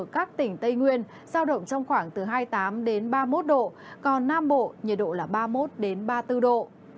các tỉnh tây nguyên giao động trong khoảng từ hai mươi tám ba mươi một độ còn nam bộ nhiệt độ là ba mươi một ba mươi bốn độ